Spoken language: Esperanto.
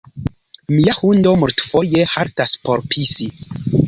Mia hundo multfoje haltas por pisi